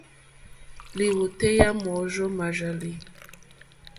Lìwòtéyá môrzó mòrzàlì.